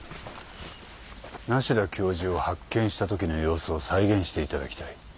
梨多教授を発見したときの様子を再現していただきたい。